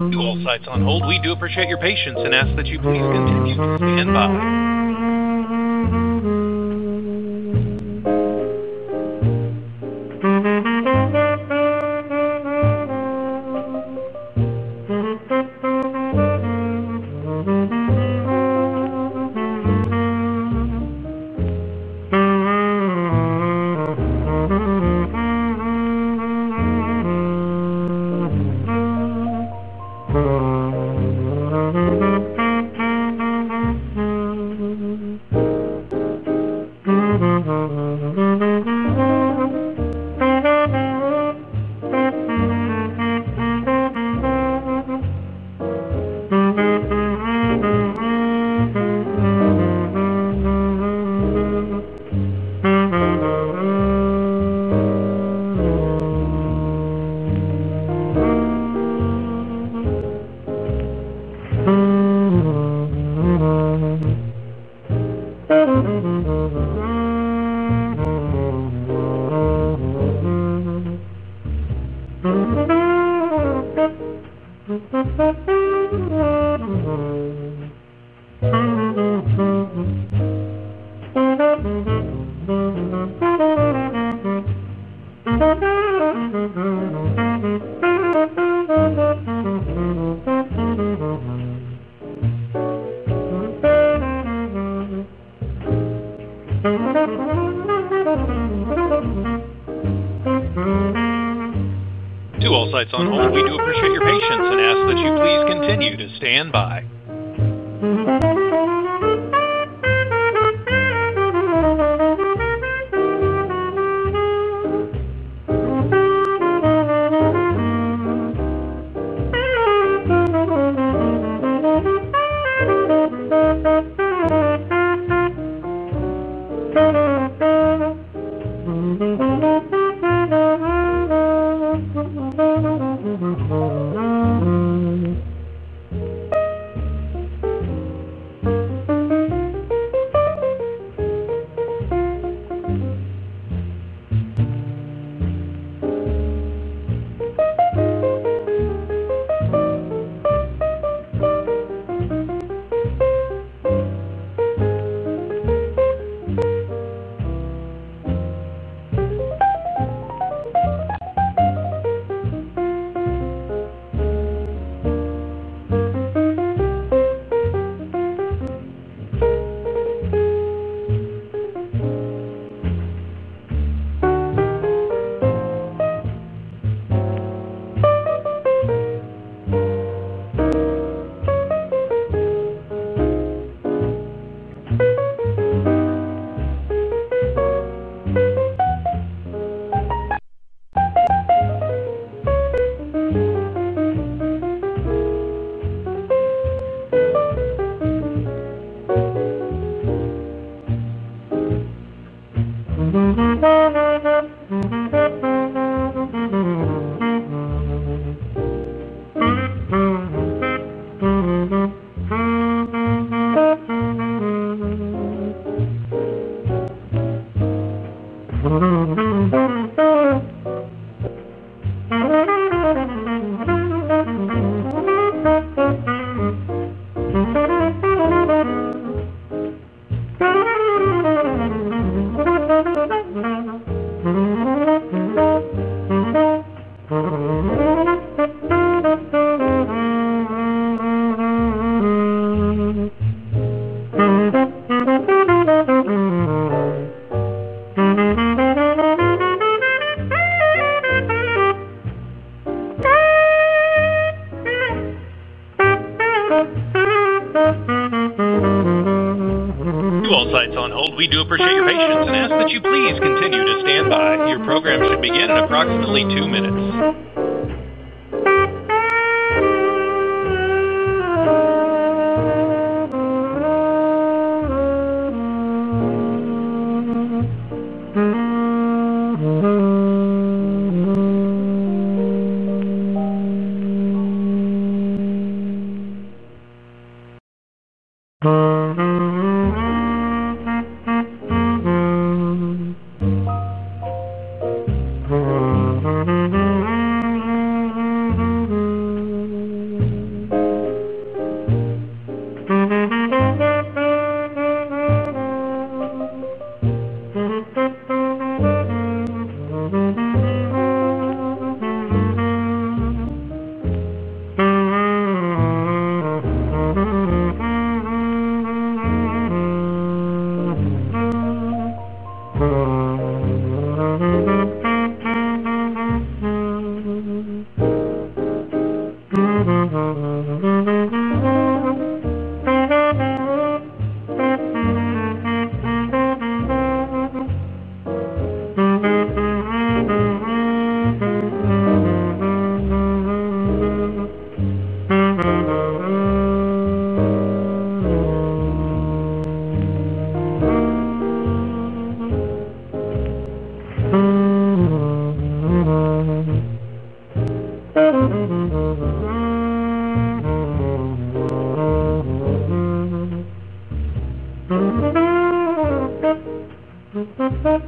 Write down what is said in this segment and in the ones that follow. To all sites on hold, we do appreciate your patience and ask that you please continue to stand by.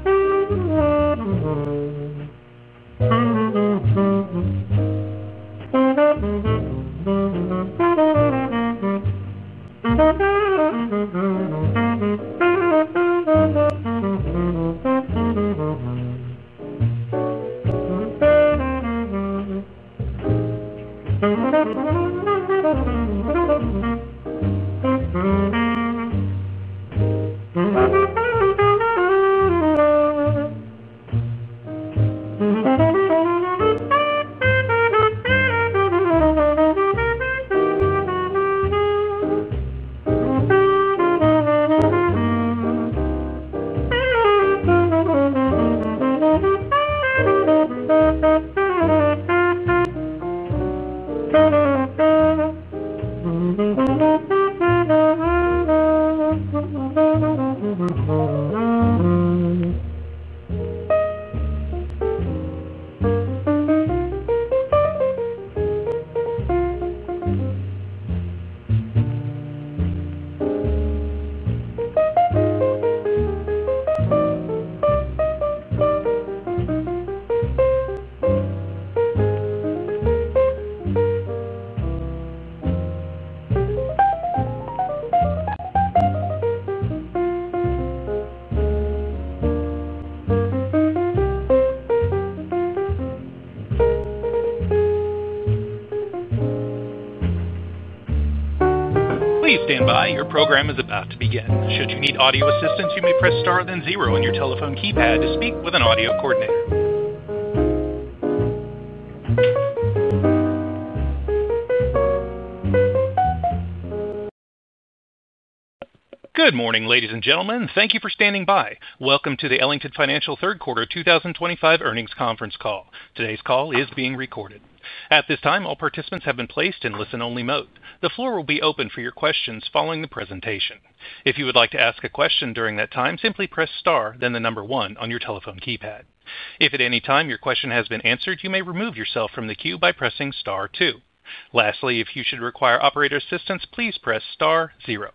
Your program should begin in approximately two minutes. Please stand by. Your program is about to begin. Should you need audio assistance, you may press star then zero on your telephone keypad to speak with an audio coordinator. Good morning, ladies and gentlemen. Thank you for standing by. Welcome to the Ellington Financial third quarter 2025 earnings conference call. Today's call is being recorded. At this time, all participants have been placed in listen-only mode. The floor will be open for your questions following the presentation. If you would like to ask a question during that time, simply press star, then the number one on your telephone keypad. If at any time your question has been answered, you may remove yourself from the queue by pressing star two. Lastly, if you should require operator assistance, please press star zero.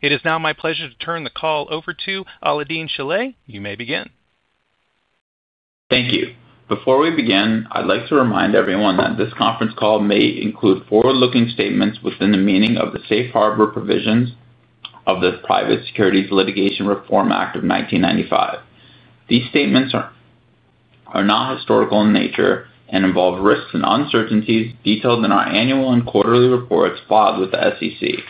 It is now my pleasure to turn the call over to Alaael-Deen Shilleh. You may begin. Thank you. Before we begin, I'd like to remind everyone that this conference call may include forward-looking statements within the meaning of the safe harbor provisions of the Private Securities Litigation Reform Act of 1995. These statements are not historical in nature and involve risks and uncertainties detailed in our annual and quarterly reports filed with the SEC.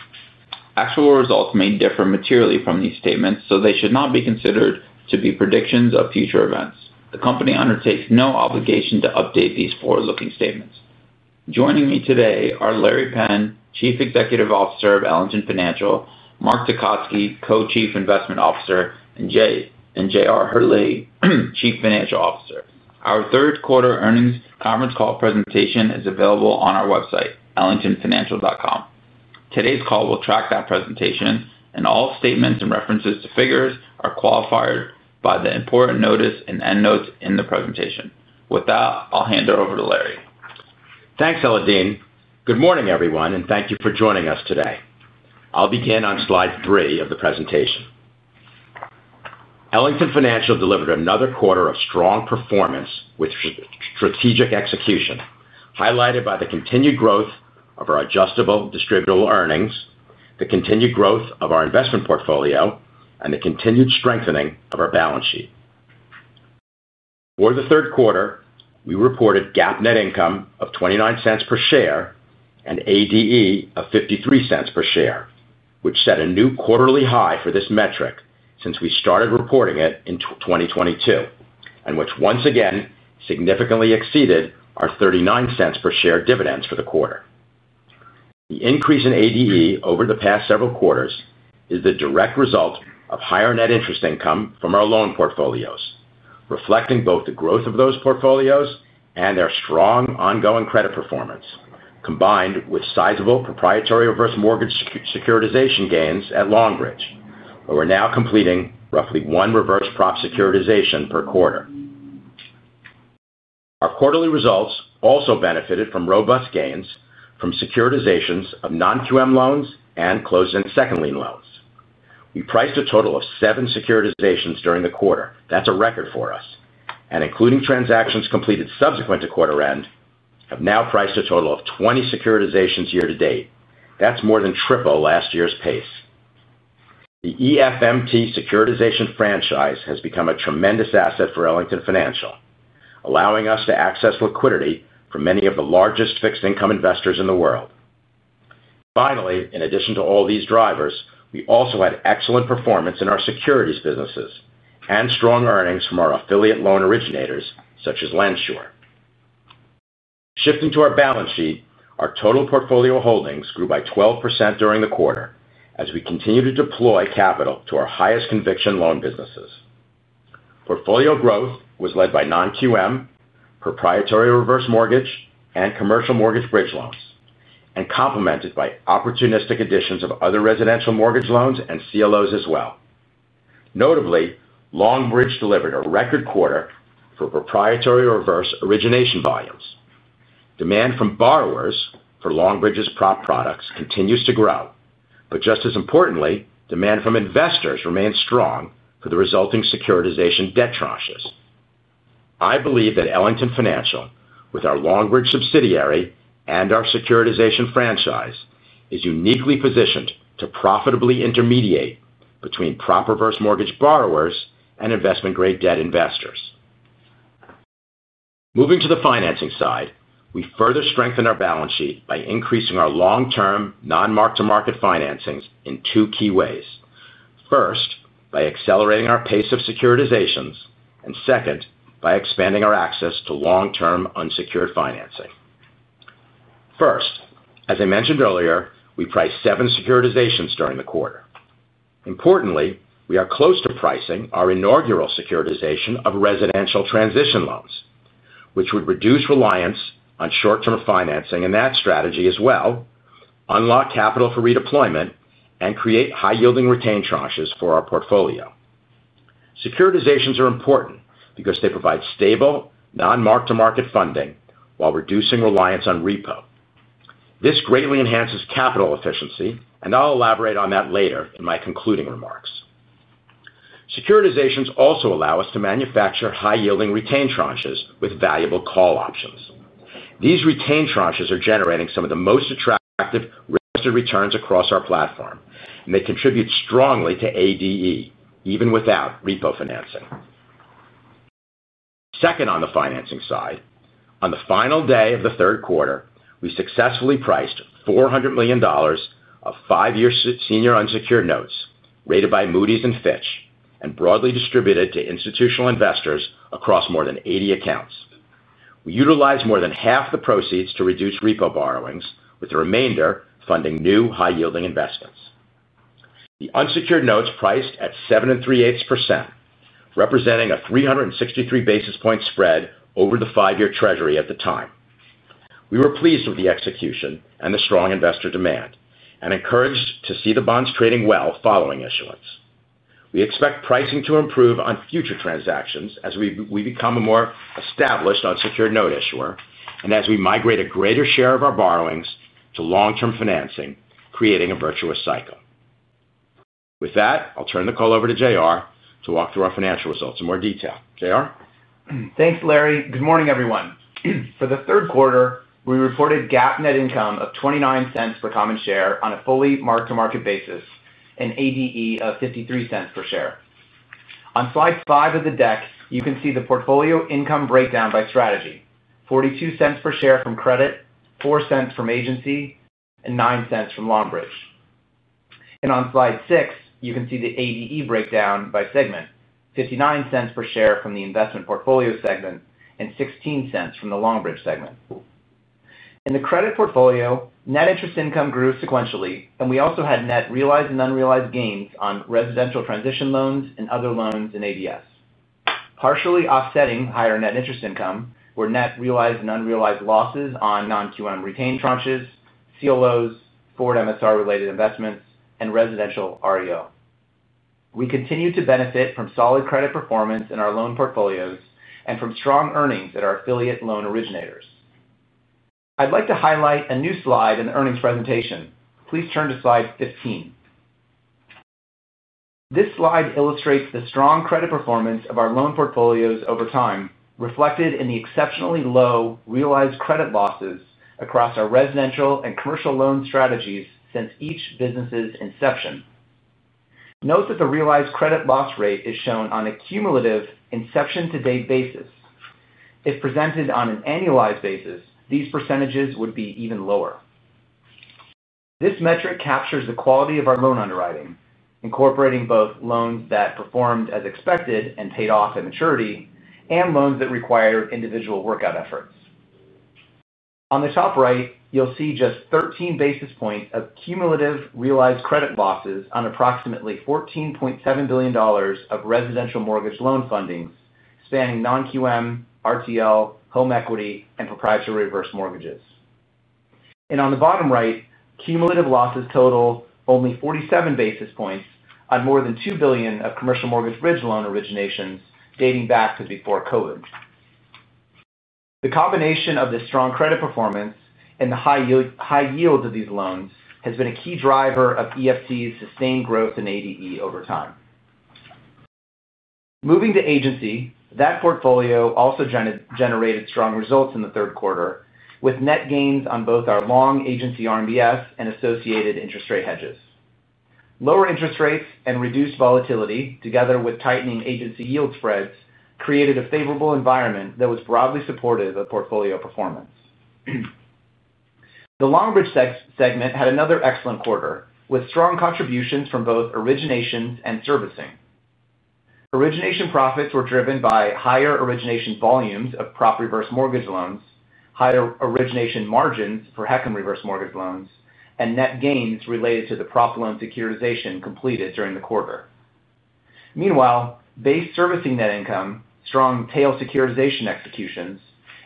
Actual results may differ materially from these statements, so they should not be considered to be predictions of future events. The company undertakes no obligation to update these forward-looking statements. Joining me today are Laury Penn, Chief Executive Officer of Ellington Financial, Marc Tecotzky, Co-Chief Investment Officer, and JR Herlihy, Chief Financial Officer. Our third quarter earnings conference call presentation is available on our website, ellingtonfinancial.com. Today's call will track that presentation, and all statements and references to figures are qualified by the important notice and end notes in the presentation. With that, I'll hand it over to Laury. Thanks, Alaael-Deen. Good morning, everyone, and thank you for joining us today. I'll begin on slide three of the presentation. Ellington Financial delivered another quarter of strong performance with strategic execution highlighted by the continued growth of our adjustable distributable earnings, the continued growth of our investment portfolio, and the continued strengthening of our balance sheet. For the third quarter, we reported GAAP net income of $0.29 per share and ADE of $0.53 per share, which set a new quarterly high for this metric since we started reporting it in 2022 and which once again significantly exceeded our $0.39 per share dividends for the quarter. The increase in ADE over the past several quarters is the direct result of higher net interest income from our loan portfolios, reflecting both the growth of those portfolios and their strong ongoing credit performance, combined with sizable proprietary reverse mortgage securitization gains at Longbridge, where we're now completing roughly one reverse prop securitization per quarter. Our quarterly results also benefited from robust gains from securitizations of non-QM loans and closed-end second lien loans. We priced a total of seven securitizations during the quarter. That's a record for us. Including transactions completed subsequent to quarter-end, we have now priced a total of 20 securitizations year-to-date. That's more than triple last year's pace. The EFMT securitization franchise has become a tremendous asset for Ellington Financial, allowing us to access liquidity from many of the largest fixed income investors in the world. Finally, in addition to all these drivers, we also had excellent performance in our securities businesses and strong earnings from our affiliate loan originators, such as LendSure. Shifting to our balance sheet, our total portfolio holdings grew by 12% during the quarter as we continued to deploy capital to our highest conviction loan businesses. Portfolio growth was led by non-QM, proprietary reverse mortgage, and commercial mortgage bridge loans, and complemented by opportunistic additions of other residential mortgage loans and CLOs as well. Notably, Longbridge delivered a record quarter for proprietary reverse origination volumes. Demand from borrowers for Longbridge's prop products continues to grow, but just as importantly, demand from investors remains strong for the resulting securitization debt tranches. I believe that Ellington Financial, with our Longbridge subsidiary and our securitization franchise, is uniquely positioned to profitably intermediate between prop reverse mortgage borrowers and investment-grade debt investors. Moving to the financing side, we further strengthened our balance sheet by increasing our long-term non-mark-to-market financings in two key ways. First, by accelerating our pace of securitizations, and second, by expanding our access to long-term unsecured financing. First, as I mentioned earlier, we priced seven securitizations during the quarter. Importantly, we are close to pricing our inaugural securitization of residential transition loans, which would reduce reliance on short-term financing in that strategy as well, unlock capital for redeployment, and create high-yielding retained tranches for our portfolio. Securitizations are important because they provide stable, non-mark-to-market funding while reducing reliance on repo. This greatly enhances capital efficiency, and I'll elaborate on that later in my concluding remarks. Securitizations also allow us to manufacture high-yielding retained tranches with valuable call options. These retained tranches are generating some of the most attractive requested returns across our platform, and they contribute strongly to ADE, even without repo financing. Second, on the financing side, on the final day of the third quarter, we successfully priced $400 million of five-year senior unsecured notes rated by Moody's and Fitch, and broadly distributed to institutional investors across more than 80 accounts. We utilized more than half the proceeds to reduce repo borrowings, with the remainder funding new high-yielding investments. The unsecured notes priced at 7.38%, representing a 363 basis point spread over the five-year treasury at the time. We were pleased with the execution and the strong investor demand, and encouraged to see the bonds trading well following issuance. We expect pricing to improve on future transactions as we become a more established unsecured note issuer, and as we migrate a greater share of our borrowings to long-term financing, creating a virtuous cycle. With that, I'll turn the call over to JR to walk through our financial results in more detail. JR? Thanks, Laury. Good morning, everyone. For the third quarter, we reported GAAP net income of $0.29 per common share on a fully mark-to-market basis and ADE of $0.53 per share. On slide five of the deck, you can see the portfolio income breakdown by strategy: $0.42 per share from credit, $0.04 from agency, and $0.09 from Longbridge. On slide six, you can see the ADE breakdown by segment: $0.59 per share from the investment portfolio segment and $0.16 from the Longbridge segment. In the credit portfolio, net interest income grew sequentially, and we also had net realized and unrealized gains on residential transition loans and other loans in ADS, partially offsetting higher net interest income were net realized and unrealized losses on non-QM retained tranches, CLOs, forward MSR-related investments, and residential REO. We continue to benefit from solid credit performance in our loan portfolios and from strong earnings at our affiliate loan originators. I'd like to highlight a new slide in the earnings presentation. Please turn to slide 15. This slide illustrates the strong credit performance of our loan portfolios over time, reflected in the exceptionally low realized credit losses across our residential and commercial loan strategies since each business's inception. Note that the realized credit loss rate is shown on a cumulative inception-to-date basis. If presented on an annualized basis, these percentages would be even lower. This metric captures the quality of our loan underwriting, incorporating both loans that performed as expected and paid off at maturity, and loans that required individual workout efforts. On the top right, you'll see just 13 basis points of cumulative realized credit losses on approximately $14.7 billion of residential mortgage loan fundings spanning non-QM, RTL, home equity, and proprietary reverse mortgages. On the bottom right, cumulative losses total only 47 basis points on more than $2 billion of commercial mortgage bridge loan originations dating back to before COVID. The combination of the strong credit performance and the high yields of these loans has been a key driver of EFMT's sustained growth in ADE over time. Moving to agency, that portfolio also generated strong results in the third quarter with net gains on both our long agency RMBS and associated interest rate hedges. Lower interest rates and reduced volatility, together with tightening agency yield spreads, created a favorable environment that was broadly supportive of portfolio performance. The Longbridge segment had another excellent quarter with strong contributions from both originations and servicing. Origination profits were driven by higher origination volumes of prop reverse mortgage loans, higher origination margins for HECM reverse mortgage loans, and net gains related to the prop loan securitization completed during the quarter. Meanwhile, base servicing net income, strong tail securitization executions,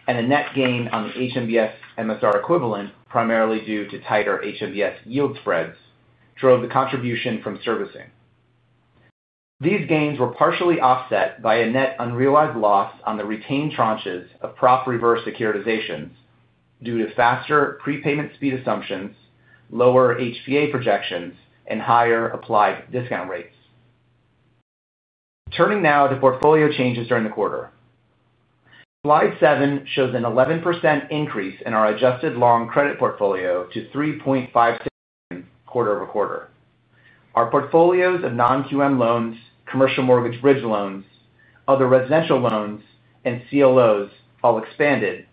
and a net gain on the HMBS MSR equivalent, primarily due to tighter HMBS yield spreads, drove the contribution from servicing. These gains were partially offset by a net unrealized loss on the retained tranches of prop reverse securitizations due to faster prepayment speed assumptions, lower HPA projections, and higher applied discount rates. Turning now to portfolio changes during the quarter. Slide seven shows an 11% increase in our adjusted long credit portfolio to 3.56% quarter-over-quarter. Our portfolios of non-QM loans, commercial mortgage bridge loans, other residential loans, and CLOs all expanded,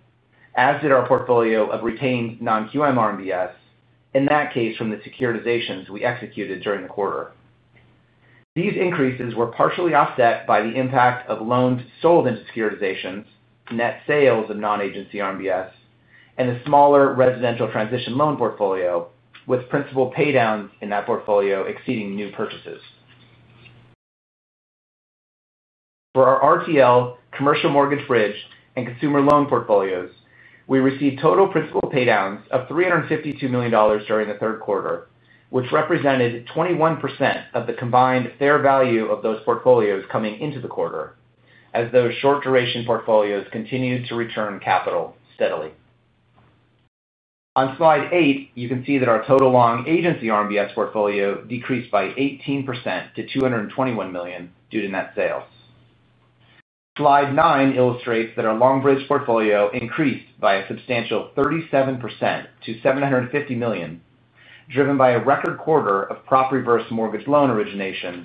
as did our portfolio of retained non-QM RMBS, in that case from the securitizations we executed during the quarter. These increases were partially offset by the impact of loans sold into securitizations, net sales of non-agency RMBS, and a smaller residential transition loan portfolio, with principal paydowns in that portfolio exceeding new purchases. For our RTL, commercial mortgage bridge, and consumer loan portfolios, we received total principal paydowns of $352 million during the third quarter, which represented 21% of the combined fair value of those portfolios coming into the quarter, as those short-duration portfolios continued to return capital steadily. On slide eight, you can see that our total long agency RMBS portfolio decreased by 18% to $221 million due to net sales. Slide nine illustrates that our Longbridge portfolio increased by a substantial 37% to $750 million, driven by a record quarter of prop reverse mortgage loan originations,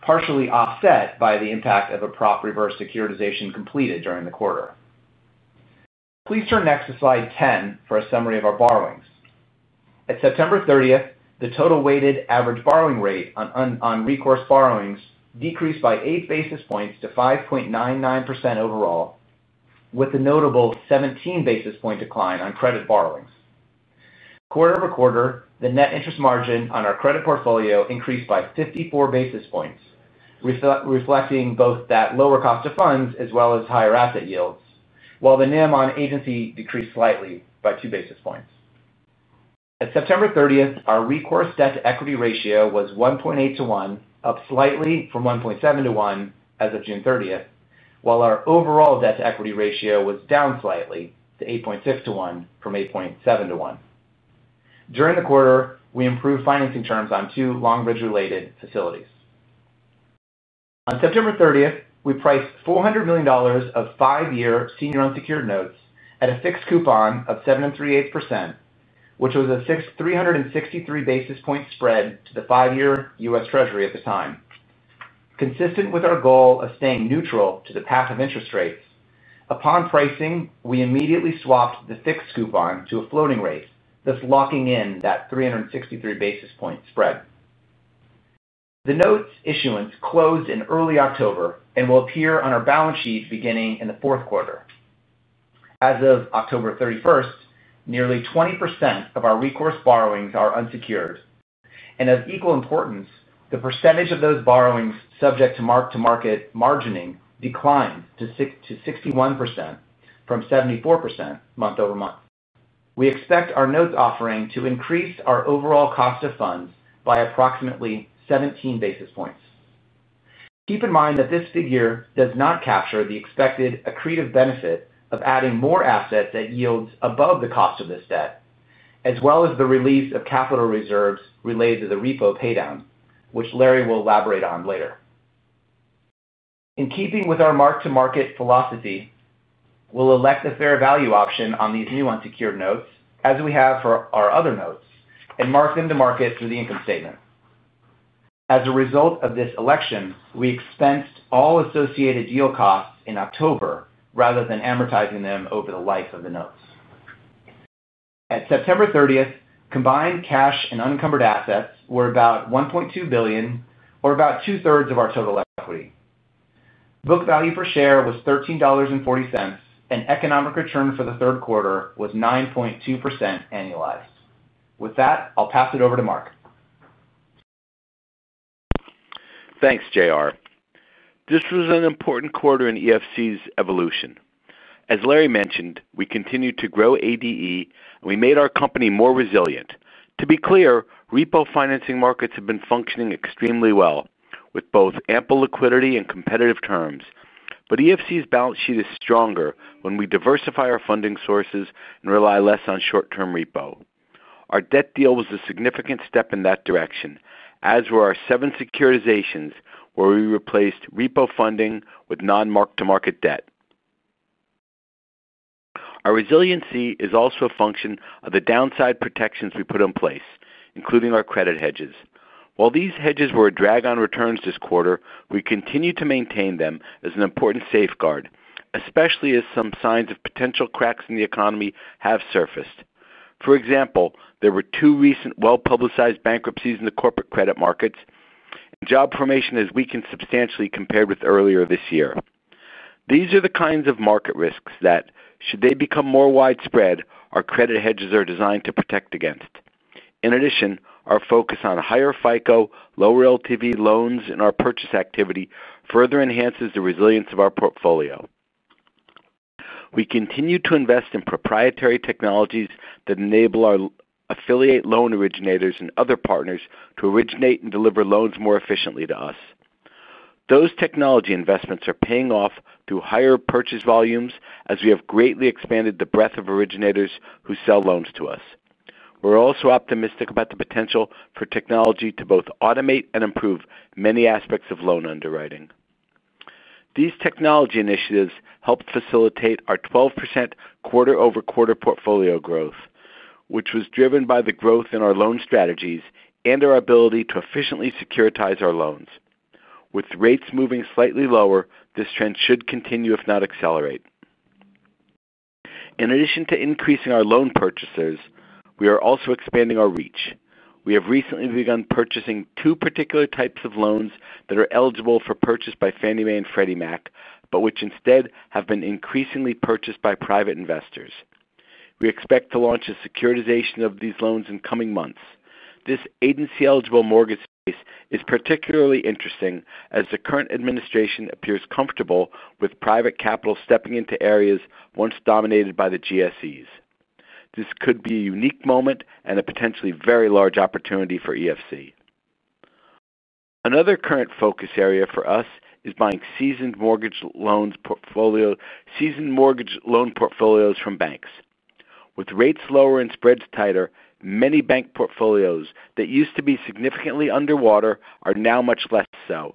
partially offset by the impact of a prop reverse securitization completed during the quarter. Please turn next to slide 10 for a summary of our borrowings. At September 30th, the total weighted average borrowing rate on recourse borrowings decreased by eight basis points to 5.99% overall, with a notable 17 basis point decline on credit borrowings. Quarter-over-quarter, the net interest margin on our credit portfolio increased by 54 basis points, reflecting both that lower cost of funds as well as higher asset yields, while the NIM on agency decreased slightly by two basis points. At September 30th, our recourse debt to equity ratio was 1.8 to 1, up slightly from 1.7 to 1 as of June 30th, while our overall debt to equity ratio was down slightly to 8.6 to 1 from 8.7 to 1. During the quarter, we improved financing terms on two Longbridge-related facilities. On September 30th, we priced $400 million of five-year senior unsecured notes at a fixed coupon of 7.38%, which was a 363 basis point spread to the five-year U.S. Treasury at the time. Consistent with our goal of staying neutral to the path of interest rates, upon pricing, we immediately swapped the fixed coupon to a floating rate, thus locking in that 363 basis point spread. The notes issuance closed in early October and will appear on our balance sheet beginning in the fourth quarter. As of October 31st, nearly 20% of our recourse borrowings are unsecured. Of equal importance, the percentage of those borrowings subject to mark-to-market margining declined to 61% from 74% month over month. We expect our notes offering to increase our overall cost of funds by approximately 17 basis points. Keep in mind that this figure does not capture the expected accretive benefit of adding more assets at yields above the cost of this debt, as well as the release of capital reserves related to the repo paydown, which Laury will elaborate on later. In keeping with our mark-to-market philosophy, we'll elect the fair value option on these new unsecured notes, as we have for our other notes, and mark them to market through the income statement. As a result of this election, we expensed all associated deal costs in October rather than amortizing them over the life of the notes. At September 30, combined cash and unencumbered assets were about $1.2 billion, or about two-thirds of our total equity. Book value per share was $13.40, and economic return for the third quarter was 9.2% annualized. With that, I'll pass it over to Marc. Thanks, JR This was an important quarter in EFMT's evolution. As Laury mentioned, we continued to grow ADE, and we made our company more resilient. To be clear, repo financing markets have been functioning extremely well, with both ample liquidity and competitive terms. EFMT's balance sheet is stronger when we diversify our funding sources and rely less on short-term repo. Our debt deal was a significant step in that direction, as were our seven securitizations, where we replaced repo funding with non-mark-to-market debt. Our resiliency is also a function of the downside protections we put in place, including our credit hedges. While these hedges were a drag on returns this quarter, we continue to maintain them as an important safeguard, especially as some signs of potential cracks in the economy have surfaced. For example, there were two recent well-publicized bankruptcies in the corporate credit markets, and job formation has weakened substantially compared with earlier this year. These are the kinds of market risks that, should they become more widespread, our credit hedges are designed to protect against. In addition, our focus on higher FICO, low-relativity loans, and our purchase activity further enhances the resilience of our portfolio. We continue to invest in proprietary technologies that enable our affiliate loan originators and other partners to originate and deliver loans more efficiently to us. Those technology investments are paying off through higher purchase volumes, as we have greatly expanded the breadth of originators who sell loans to us. We're also optimistic about the potential for technology to both automate and improve many aspects of loan underwriting. These technology initiatives helped facilitate our 12% quarter-over-quarter portfolio growth, which was driven by the growth in our loan strategies and our ability to efficiently securitize our loans. With rates moving slightly lower, this trend should continue, if not accelerate. In addition to increasing our loan purchasers, we are also expanding our reach. We have recently begun purchasing two particular types of loans that are eligible for purchase by Fannie Mae and Freddie Mac, but which instead have been increasingly purchased by private investors. We expect to launch a securitization of these loans in coming months. This agency-eligible mortgage space is particularly interesting as the current administration appears comfortable with private capital stepping into areas once dominated by the GSEs. This could be a unique moment and a potentially very large opportunity for EFT. Another current focus area for us is buying seasoned mortgage loan portfolios from banks. With rates lower and spreads tighter, many bank portfolios that used to be significantly underwater are now much less so,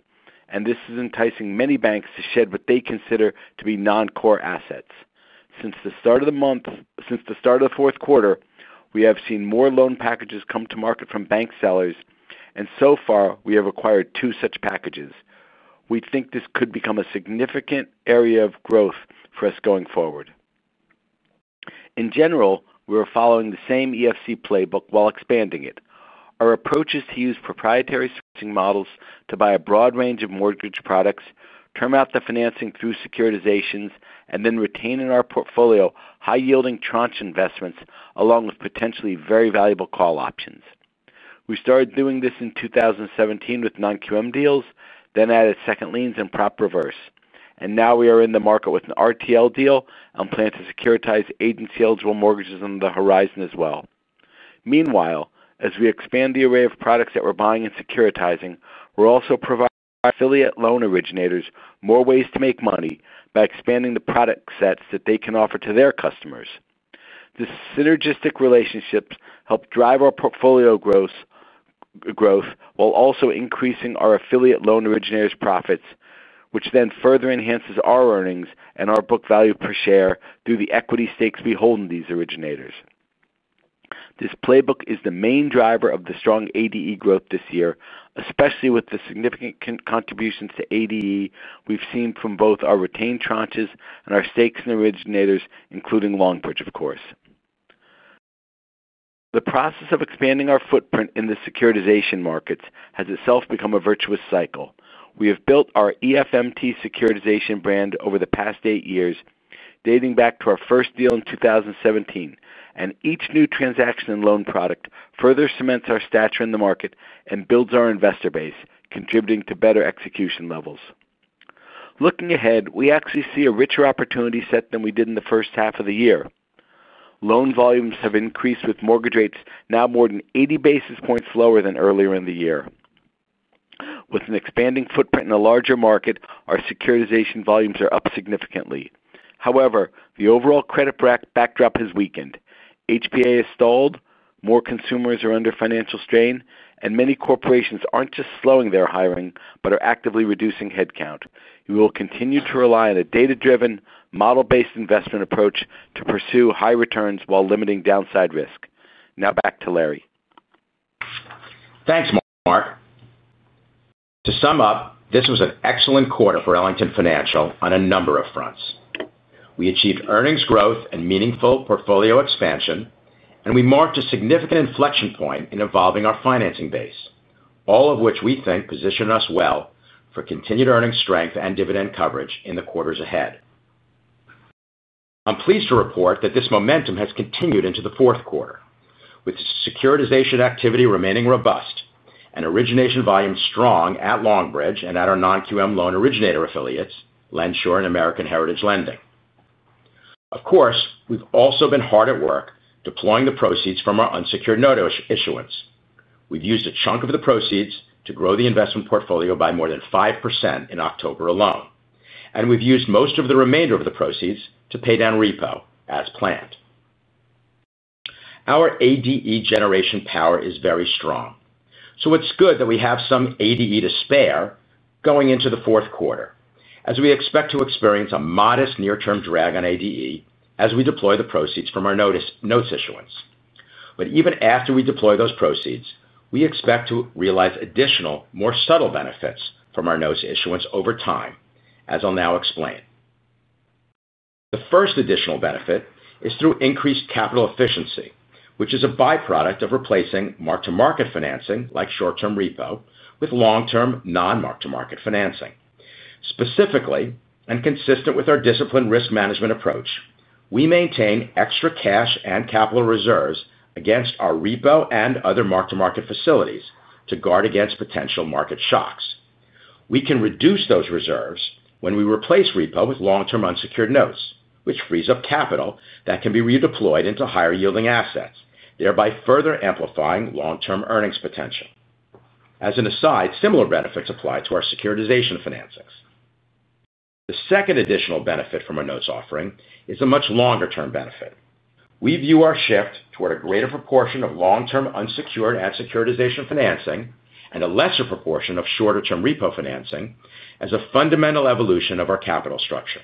and this is enticing many banks to shed what they consider to be non-core assets. Since the start of the month, since the start of the fourth quarter, we have seen more loan packages come to market from bank sellers, and so far, we have acquired two such packages. We think this could become a significant area of growth for us going forward. In general, we're following the same EFMT playbook while expanding it. Our approach is to use proprietary switching models to buy a broad range of mortgage products, term out the financing through securitizations, and then retain in our portfolio high-yielding tranche investments along with potentially very valuable call options. We started doing this in 2017 with non-QM deals, then added second liens and prop reverse, and now we are in the market with an RTL deal and plan to securitize agency-eligible mortgages on the horizon as well. Meanwhile, as we expand the array of products that we're buying and securitizing, we're also providing affiliate loan originators more ways to make money by expanding the product sets that they can offer to their customers. This synergistic relationship helps drive our portfolio growth, while also increasing our affiliate loan originators' profits, which then further enhances our earnings and our book value per share through the equity stakes we hold in these originators. This playbook is the main driver of the strong ADE growth this year, especially with the significant contributions to ADE we've seen from both our retained tranches and our stakes in the originators, including Longbridge, of course. The process of expanding our footprint in the securitization markets has itself become a virtuous cycle. We have built our EFMT securitization brand over the past eight years, dating back to our first deal in 2017, and each new transaction and loan product further cements our stature in the market and builds our investor base, contributing to better execution levels. Looking ahead, we actually see a richer opportunity set than we did in the first half of the year. Loan volumes have increased with mortgage rates now more than 80 basis points lower than earlier in the year. With an expanding footprint in a larger market, our securitization volumes are up significantly. However, the overall credit backdrop has weakened. HPA is stalled, more consumers are under financial strain, and many corporations aren't just slowing their hiring but are actively reducing headcount. We will continue to rely on a data-driven, model-based investment approach to pursue high returns while limiting downside risk. Now back to Laury. Thanks, Marc. To sum up, this was an excellent quarter for Ellington Financial on a number of fronts. We achieved earnings growth and meaningful portfolio expansion, and we marked a significant inflection point in evolving our financing base, all of which we think positioned us well for continued earnings strength and dividend coverage in the quarters ahead. I'm pleased to report that this momentum has continued into the fourth quarter, with securitization activity remaining robust and origination volume strong at Longbridge and at our non-QM loan originator affiliates, LendSure, and American Heritage Lending. Of course, we've also been hard at work deploying the proceeds from our unsecured note issuance. We've used a chunk of the proceeds to grow the investment portfolio by more than 5% in October alone, and we've used most of the remainder of the proceeds to pay down repo as planned. Our ADE generation power is very strong, so it's good that we have some ADE to spare going into the fourth quarter, as we expect to experience a modest near-term drag on ADE as we deploy the proceeds from our notes issuance. Even after we deploy those proceeds, we expect to realize additional, more subtle benefits from our notes issuance over time, as I'll now explain. The first additional benefit is through increased capital efficiency, which is a byproduct of replacing mark-to-market financing like short-term repo with long-term non-mark-to-market financing. Specifically, and consistent with our disciplined risk management approach, we maintain extra cash and capital reserves against our repo and other mark-to-market facilities to guard against potential market shocks. We can reduce those reserves when we replace repo with long-term unsecured notes, which frees up capital that can be redeployed into higher-yielding assets, thereby further amplifying long-term earnings potential. As an aside, similar benefits apply to our securitization financings. The second additional benefit from our notes offering is a much longer-term benefit. We view our shift toward a greater proportion of long-term unsecured and securitization financing and a lesser proportion of shorter-term repo financing as a fundamental evolution of our capital structure.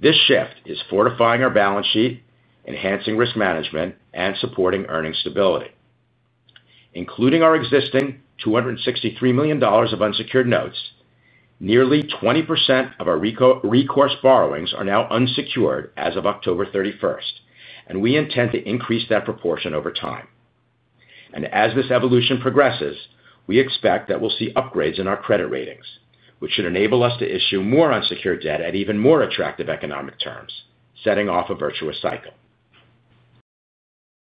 This shift is fortifying our balance sheet, enhancing risk management, and supporting earnings stability. Including our existing $263 million of unsecured notes, nearly 20% of our recourse borrowings are now unsecured as of October 31, and we intend to increase that proportion over time. As this evolution progresses, we expect that we'll see upgrades in our credit ratings, which should enable us to issue more unsecured debt at even more attractive economic terms, setting off a virtuous cycle.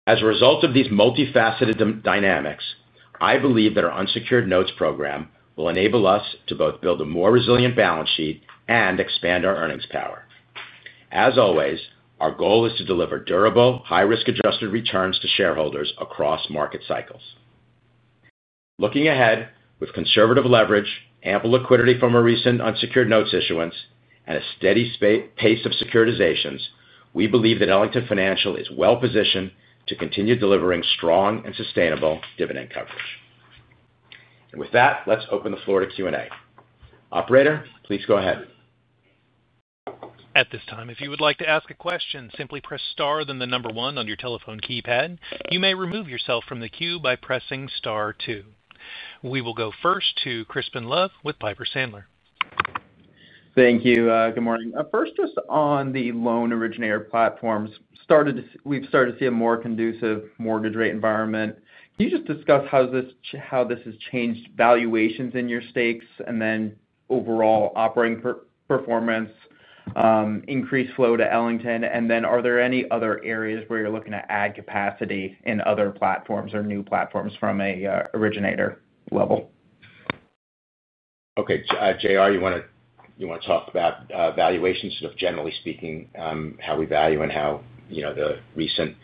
As a result of these multifaceted dynamics, I believe that our unsecured notes program will enable us to both build a more resilient balance sheet and expand our earnings power. As always, our goal is to deliver durable, high-risk-adjusted returns to shareholders across market cycles. Looking ahead, with conservative leverage, ample liquidity from our recent unsecured notes issuance, and a steady pace of securitizations, we believe that Ellington Financial is well-positioned to continue delivering strong and sustainable dividend coverage. Let's open the floor to Q&A. Operator, please go ahead. At this time, if you would like to ask a question, simply press star then the number one on your telephone keypad. You may remove yourself from the queue by pressing star two. We will go first to Crispin Love with Piper Sandler. Thank you. Good morning. First, just on the loan originator platforms, we've started to see a more conducive mortgage rate environment. Can you just discuss how this has changed valuations in your stakes and then overall operating performance. Increased flow to Ellington? Are there any other areas where you're looking to add capacity in other platforms or new platforms from an originator level? Okay. JR, you want to talk about valuations, sort of generally speaking, how we value and how the recent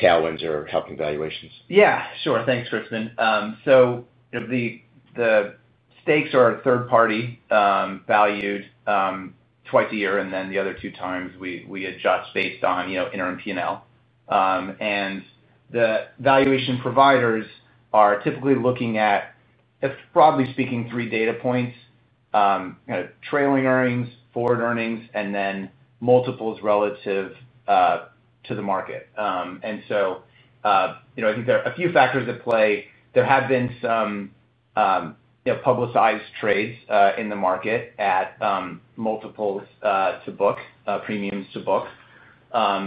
tailwinds are helping valuations? Yeah, sure. Thanks, Crispin. The stakes are third-party valued twice a year, and then the other two times we adjust based on interim P&L. The valuation providers are typically looking at, broadly speaking, three data points: trailing earnings, forward earnings, and then multiples relative to the market. I think there are a few factors at play. There have been some publicized trades in the market at multiples to book, premiums to book. At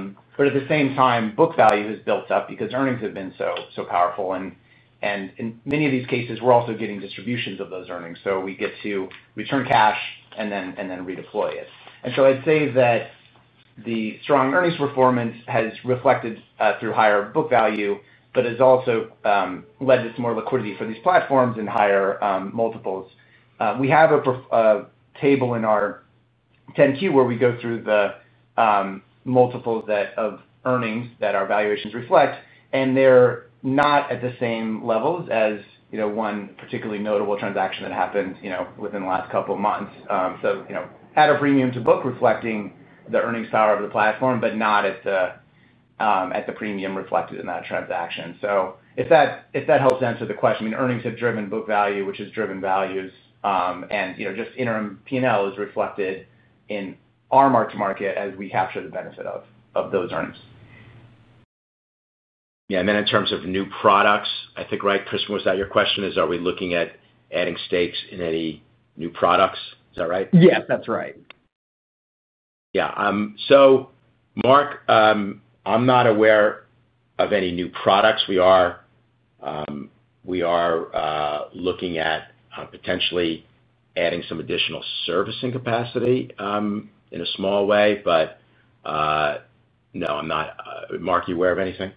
the same time, book value has built up because earnings have been so powerful. In many of these cases, we're also getting distributions of those earnings, so we get to return cash and then redeploy it. I'd say that the strong earnings performance has reflected through higher book value, but has also led to some more liquidity for these platforms and higher multiples. We have a. Table in our 10Q where we go through the multiples of earnings that our valuations reflect, and they're not at the same levels as one particularly notable transaction that happened within the last couple of months. At a premium to book, reflecting the earnings power of the platform, but not at the premium reflected in that transaction. If that helps answer the question, I mean, earnings have driven book value, which has driven values, and just interim P&L is reflected in our mark-to-market as we capture the benefit of those earnings. Yeah. And then in terms of new products, I think, right, Crispin, was that your question? Are we looking at adding stakes in any new products? Is that right? Yes, that's right. Yeah. Marc, I'm not aware of any new products. We are looking at potentially adding some additional servicing capacity in a small way, but no, I'm not. Marc, are you aware of anything?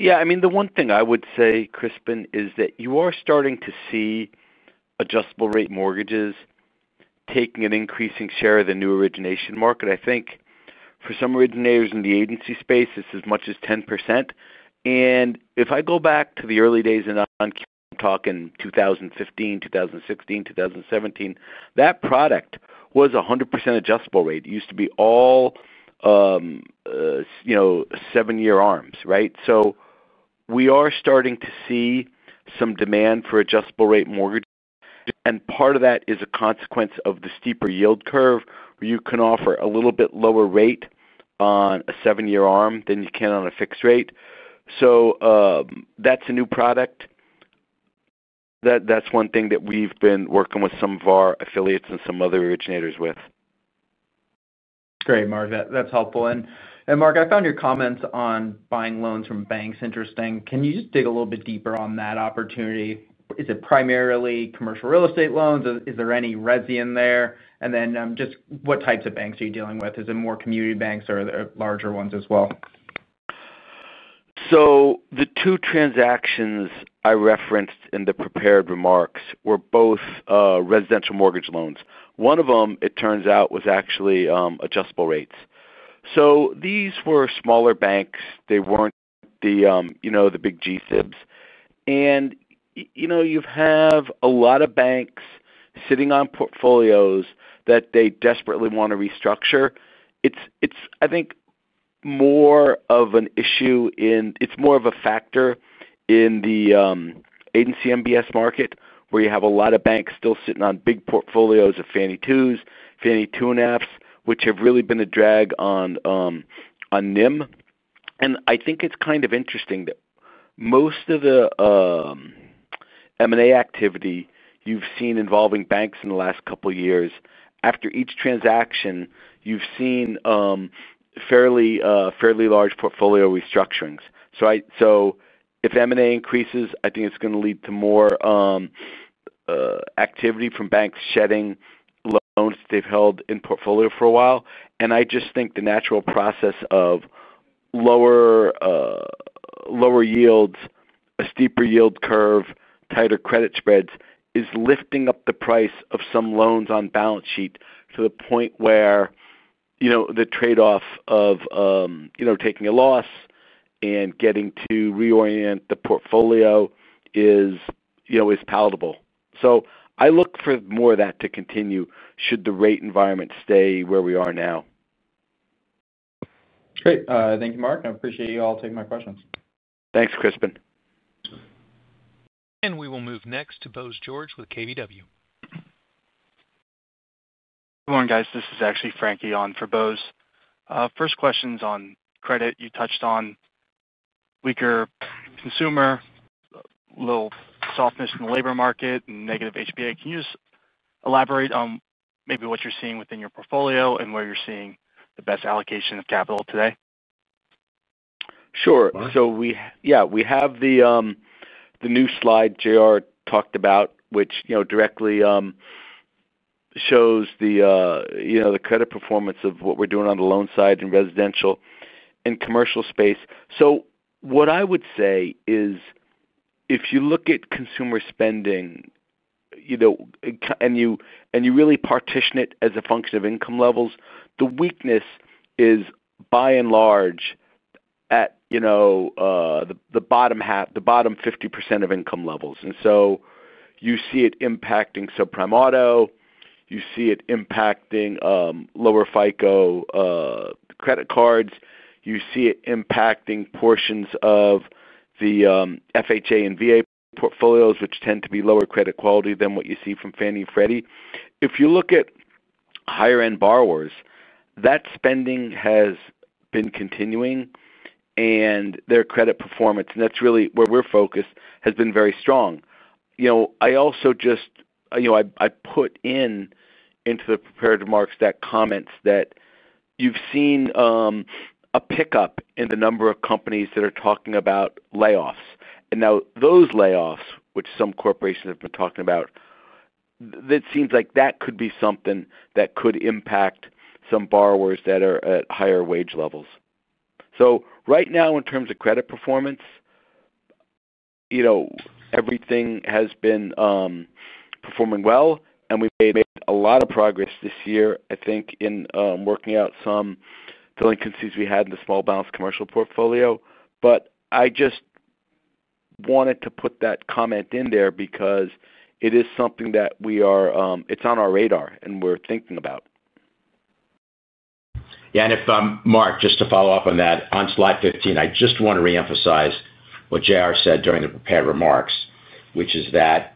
Yeah. I mean, the one thing I would say, Crispin, is that you are starting to see adjustable rate mortgages taking an increasing share of the new origination market. I think for some originators in the agency space, it's as much as 10%. If I go back to the early days in non-QM, I'm talking 2015, 2016, 2017, that product was 100% adjustable rate. It used to be all seven-year arms, right? We are starting to see some demand for adjustable rate mortgages, and part of that is a consequence of the steeper yield curve, where you can offer a little bit lower rate on a seven-year arm than you can on a fixed rate. That's a new product. That's one thing that we've been working with some of our affiliates and some other originators with. Great, Marc. That's helpful. Marc, I found your comments on buying loans from banks interesting. Can you just dig a little bit deeper on that opportunity? Is it primarily commercial real estate loans? Is there any res in there? Just what types of banks are you dealing with? Is it more community banks or are there larger ones as well? The two transactions I referenced in the prepared remarks were both residential mortgage loans. One of them, it turns out, was actually adjustable rates. These were smaller banks. They were not the big GSIBs. You have a lot of banks sitting on portfolios that they desperately want to restructure. It is, I think, more of an issue and it is more of a factor in the agency MBS market, where you have a lot of banks still sitting on big portfolios of Fannie Twos, Fannie Two and Apps, which have really been a drag on NIM. I think it is kind of interesting that most of the M&A activity you have seen involving banks in the last couple of years, after each transaction, you have seen fairly large portfolio restructurings. If M&A increases, I think it is going to lead to more. Activity from banks shedding loans that they've held in portfolio for a while. I just think the natural process of lower yields, a steeper yield curve, tighter credit spreads is lifting up the price of some loans on balance sheet to the point where the trade-off of taking a loss and getting to reorient the portfolio is palatable. I look for more of that to continue should the rate environment stay where we are now. Great. Thank you, Marc. I appreciate you all taking my questions. Thanks, Crispin. We will move next to Bose George with KBW. Good morning, guys. This is actually Frankie on for Bose. First question is on credit. You touched on weaker consumer, a little softness in the labor market, and negative HBA. Can you just elaborate on maybe what you're seeing within your portfolio and where you're seeing the best allocation of capital today? Sure. Yeah, we have the new slide JR talked about, which directly shows the credit performance of what we're doing on the loan side in residential and commercial space. What I would say is, if you look at consumer spending and you really partition it as a function of income levels, the weakness is by and large at the bottom 50% of income levels. You see it impacting subprime auto, you see it impacting lower FICO credit cards, you see it impacting portions of the FHA and VA portfolios, which tend to be lower credit quality than what you see from Fannie and Freddie. If you look at higher-end borrowers, that spending has been continuing, and their credit performance, and that's really where we're focused, has been very strong. I also just put into the prepared remarks the comments that you've seen. A pickup in the number of companies that are talking about layoffs. Now those layoffs, which some corporations have been talking about, it seems like that could be something that could impact some borrowers that are at higher wage levels. Right now, in terms of credit performance, everything has been performing well, and we've made a lot of progress this year, I think, in working out some delinquencies we had in the small-balance commercial portfolio. I just wanted to put that comment in there because it is something that is on our radar, and we're thinking about it. Yeah. And Marc, just to follow up on that, on slide 15, I just want to reemphasize what JR said during the prepared remarks, which is that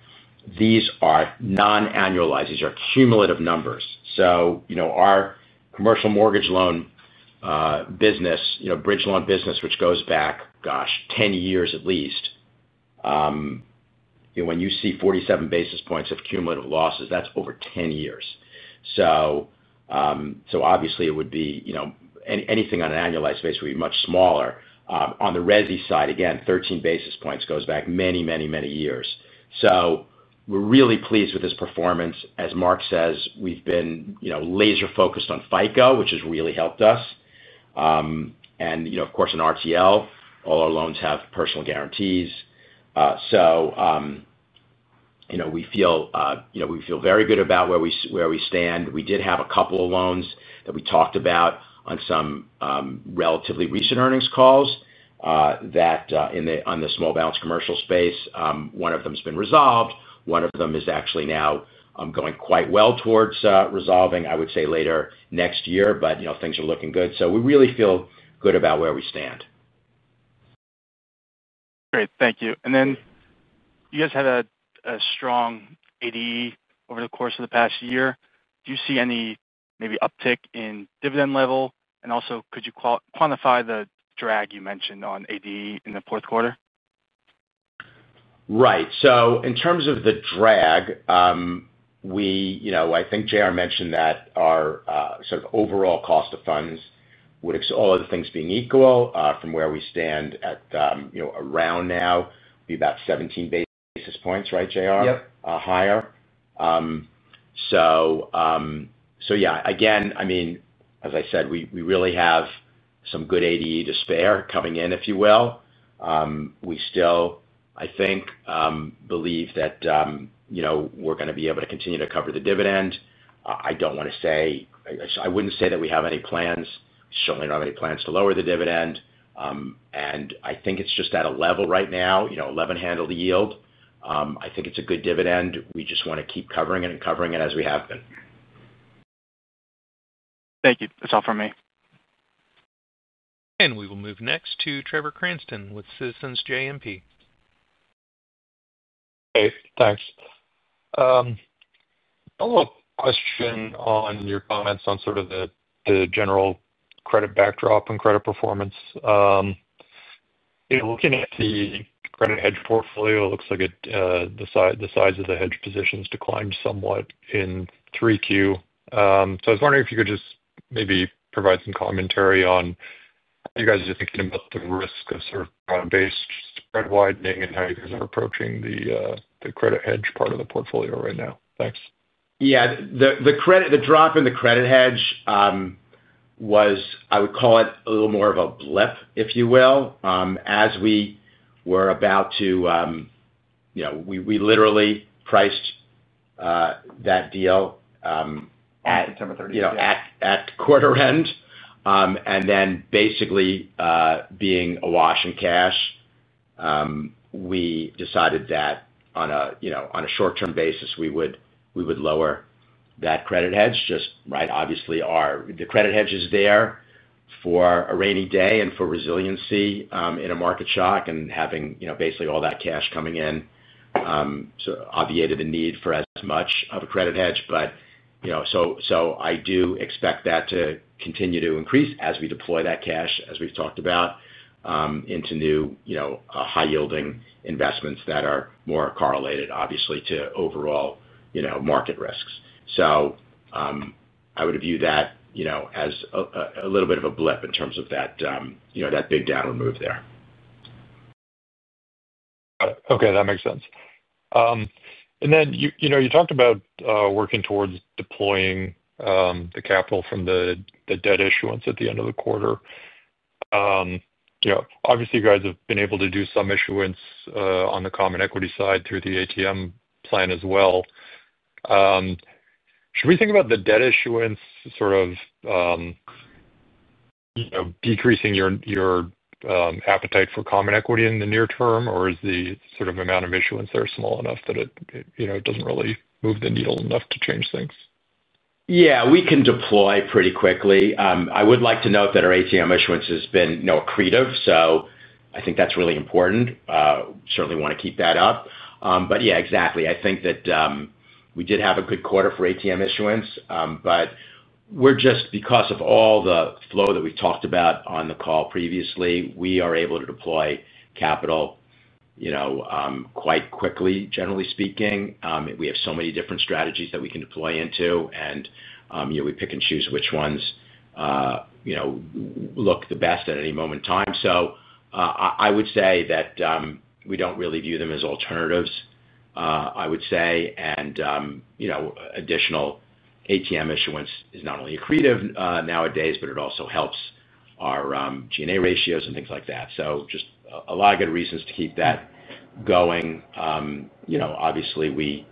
these are non-annualized. These are cumulative numbers. So our commercial mortgage loan business, bridge loan business, which goes back, gosh, 10 years at least. When you see 47 basis points of cumulative losses, that's over 10 years. Obviously, it would be anything on an annualized basis would be much smaller. On the resi side, again, 13 basis points goes back many, many, many years. We're really pleased with this performance. As Marc says, we've been laser-focused on FICO, which has really helped us. Of course, in RTL, all our loans have personal guarantees. We feel very good about where we stand. We did have a couple of loans that we talked about on some relatively recent earnings calls. That on the small-balance commercial space, one of them has been resolved. One of them is actually now going quite well towards resolving, I would say, later next year, but things are looking good. We really feel good about where we stand. Great. Thank you. You guys had a strong ADE over the course of the past year. Do you see any maybe uptick in dividend level? Also, could you quantify the drag you mentioned on ADE in the fourth quarter? Right. So in terms of the drag. I think JR mentioned that our sort of overall cost of funds, with all other things being equal, from where we stand at. Around now, would be about 17 basis points, right, JR? Yep. Higher. Yeah. Again, I mean, as I said, we really have some good ADE to spare coming in, if you will. We still, I think, believe that we're going to be able to continue to cover the dividend. I don't want to say I wouldn't say that we have any plans. We certainly don't have any plans to lower the dividend. I think it's just at a level right now, 11-handle yield. I think it's a good dividend. We just want to keep covering it and covering it as we have been. Thank you. That's all from me. We will move next to Trevor Cranston with Citizens JMP. Hey, thanks. A little question on your comments on sort of the general credit backdrop and credit performance. Looking at the credit hedge portfolio, it looks like the size of the hedge positions declined somewhat in 3Q. I was wondering if you could just maybe provide some commentary on how you guys are thinking about the risk of sort of ground-based spread widening and how you guys are approaching the credit hedge part of the portfolio right now. Thanks. Yeah. The drop in the credit hedge was, I would call it, a little more of a blip, if you will, as we were about to. We literally priced that deal. On September 30th, yeah. At quarter-end. Basically, being awash in cash, we decided that on a short-term basis, we would lower that credit hedge. Obviously, the credit hedge is there for a rainy day and for resiliency in a market shock, and having basically all that cash coming in obviated the need for as much of a credit hedge. I do expect that to continue to increase as we deploy that cash, as we've talked about, into new high-yielding investments that are more correlated, obviously, to overall market risks. I would view that as a little bit of a blip in terms of that big downward move there. Got it. Okay. That makes sense. You talked about working towards deploying the capital from the debt issuance at the end of the quarter. Obviously, you guys have been able to do some issuance on the common equity side through the ATM sign as well. Should we think about the debt issuance sort of decreasing your appetite for common equity in the near term, or is the sort of amount of issuance there small enough that it does not really move the needle enough to change things? Yeah. We can deploy pretty quickly. I would like to note that our ATM issuance has been accretive. I think that's really important. Certainly want to keep that up. Yeah, exactly. I think that we did have a good quarter for ATM issuance. Because of all the flow that we've talked about on the call previously, we are able to deploy capital quite quickly, generally speaking. We have so many different strategies that we can deploy into, and we pick and choose which ones look the best at any moment in time. I would say that we do not really view them as alternatives, I would say. Additional ATM issuance is not only accretive nowadays, but it also helps our G&A ratios and things like that. Just a lot of good reasons to keep that going. Obviously, we.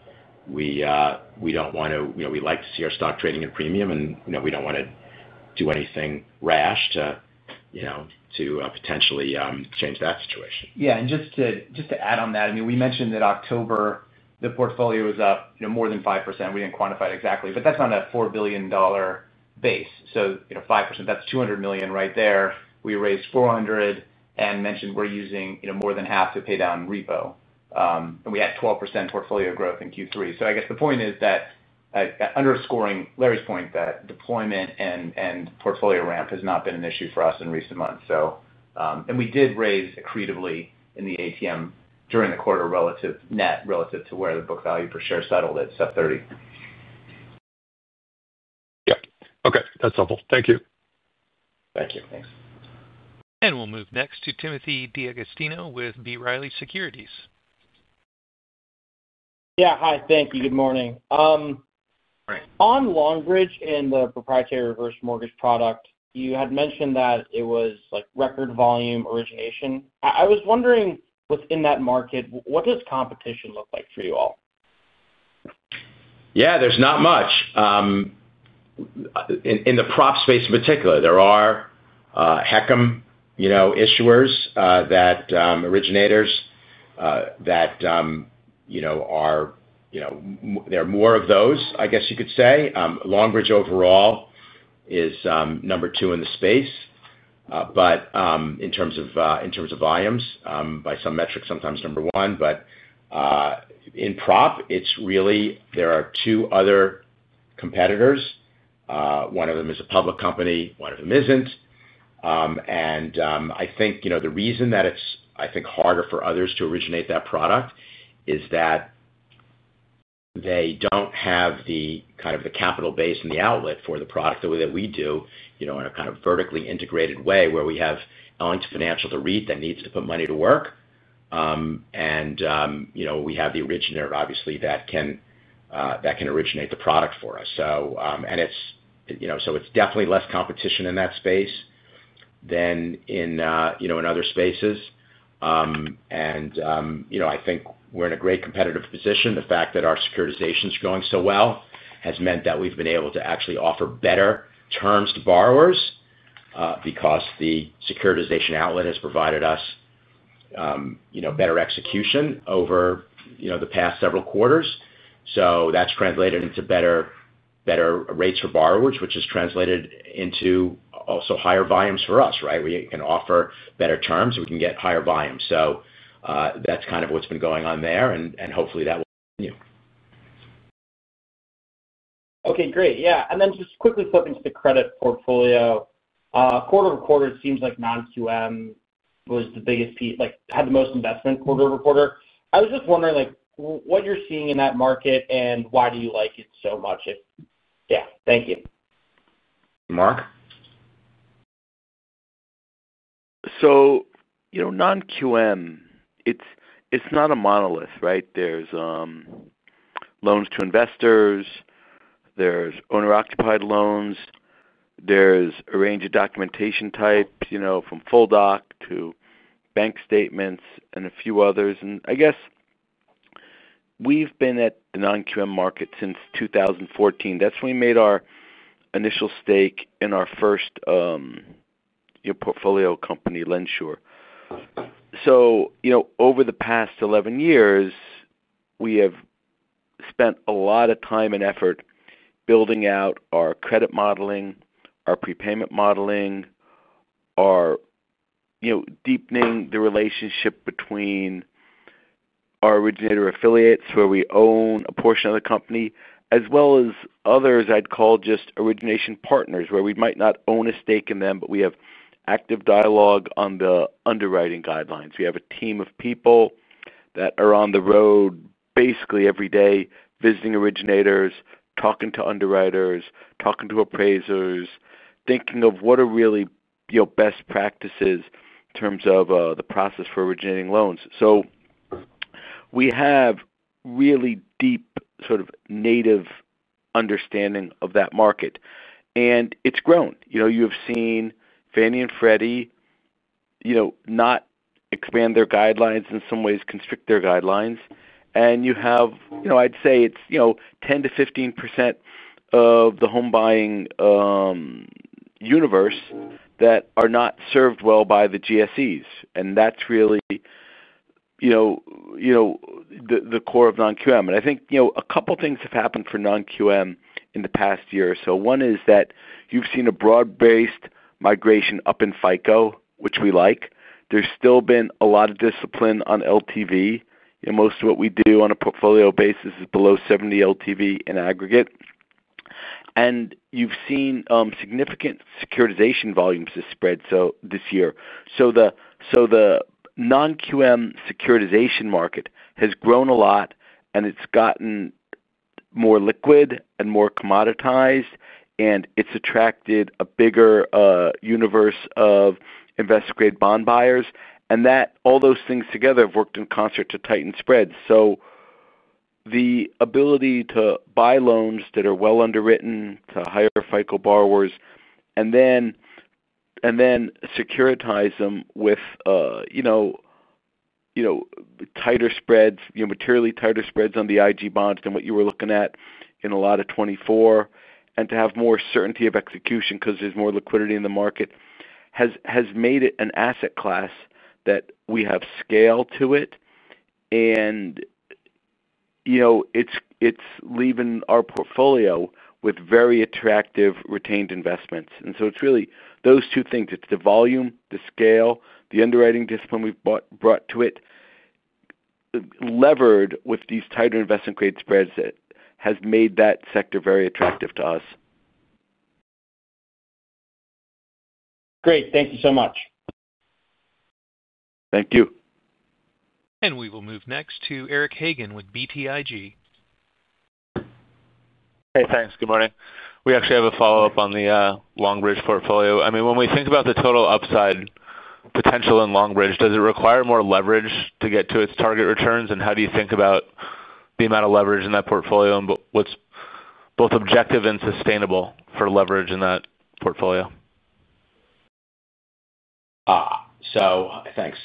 Don't want to, we like to see our stock trading at a premium, and we don't want to do anything rash to potentially change that situation. Yeah. And just to add on that, I mean, we mentioned that October, the portfolio was up more than 5%. We did not quantify it exactly, but that is on a $4 billion base. So 5%, that is $200 million right there. We raised $400 million and mentioned we are using more than half to pay down repo. And we had 12% portfolio growth in Q3. I guess the point is that, underscoring Laury's point, that deployment and portfolio ramp has not been an issue for us in recent months. We did raise accretively in the ATM during the quarter relative to where the book value per share settled at $7.30. Yep. Okay. That's helpful. Thank you. Thank you. Thanks. We will move next to Timothy D'Agostino with B. Riley Securities. Yeah. Hi. Thank you. Good morning. On Longbridge and the proprietary reverse mortgage product, you had mentioned that it was record volume origination. I was wondering, within that market, what does competition look like for you all? Yeah. There's not much. In the prop space in particular, there are HECM issuers that originators. That are. There are more of those, I guess you could say. Longbridge overall is number two in the space. In terms of volumes, by some metrics, sometimes number one. In prop, it's really there are two other competitors. One of them is a public company. One of them isn't. I think the reason that it's, I think, harder for others to originate that product is that they don't have the kind of capital base and the outlet for the product the way that we do in a kind of vertically integrated way where we have Ellington Financial to read that needs to put money to work. We have the originator, obviously, that can originate the product for us. It's definitely less competition in that space. Than in other spaces. I think we are in a great competitive position. The fact that our securitization is going so well has meant that we have been able to actually offer better terms to borrowers because the securitization outlet has provided us better execution over the past several quarters. That has translated into better rates for borrowers, which has translated into also higher volumes for us, right? We can offer better terms, and we can get higher volumes. That is kind of what has been going on there, and hopefully, that will continue. Okay. Great. Yeah. And then just quickly flipping to the credit portfolio. Quarter to quarter, it seems like Non-QM was the biggest, had the most investment quarter to quarter. I was just wondering what you're seeing in that market and why do you like it so much. Yeah. Thank you. Marc? Non-QM, it's not a monolith, right? There's loans to investors. There's owner-occupied loans. There's a range of documentation types from Full Doc to bank statements and a few others. I guess we've been at the Non-QM market since 2014. That's when we made our initial stake in our first portfolio company, LendSure. Over the past 11 years, we have spent a lot of time and effort building out our credit modeling, our prepayment modeling, deepening the relationship between our originator affiliates where we own a portion of the company, as well as others I'd call just origination partners where we might not own a stake in them, but we have active dialogue on the underwriting guidelines. We have a team of people that are on the road basically every day, visiting originators, talking to underwriters, talking to appraisers, thinking of what are really best practices in terms of the process for originating loans. We have really deep sort of native understanding of that market. It has grown. You have seen Fannie and Freddie not expand their guidelines, in some ways, constrict their guidelines. You have, I'd say, it's 10-15% of the home buying universe that are not served well by the GSEs. That is really the core of Non-QM. I think a couple of things have happened for Non-QM in the past year or so. One is that you've seen a broad-based migration up in FICO, which we like. There has still been a lot of discipline on LTV. Most of what we do on a portfolio basis is below 70 LTV in aggregate. You have seen significant securitization volumes have spread this year. The non-QM securitization market has grown a lot, and it has gotten more liquid and more commoditized, and it has attracted a bigger universe of investor-grade bond buyers. All those things together have worked in concert to tighten spreads. The ability to buy loans that are well underwritten to higher FICO borrowers and then securitize them with tighter spreads, materially tighter spreads on the IG bonds than what you were looking at in a lot of 2024, and to have more certainty of execution because there is more liquidity in the market, has made it an asset class that we have scale to it. It is leaving our portfolio with very attractive retained investments. It is really those two things. It's the volume, the scale, the underwriting discipline we've brought to it. Levered with these tighter investment-grade spreads, that has made that sector very attractive to us. Great. Thank you so much. Thank you. We will move next to Eric Hagen with BTIG. Hey, thanks. Good morning. We actually have a follow-up on the Longbridge portfolio. I mean, when we think about the total upside potential in Longbridge, does it require more leverage to get to its target returns? How do you think about the amount of leverage in that portfolio? What's both objective and sustainable for leverage in that portfolio? Thanks.